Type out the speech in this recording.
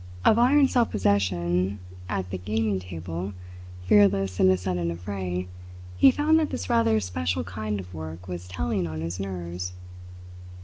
Of iron self possession at the gaming table, fearless in a sudden affray, he found that this rather special kind of work was telling on his nerves.